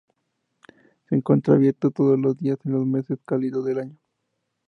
Se encuentra abierto todos los días, en los meses cálidos del año.